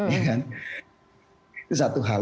itu satu hal